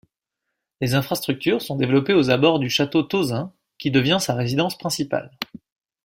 Les infrastructures sont développées aux abords du château Tauzin qui devient sa résidence principale.